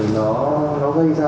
nó gây ra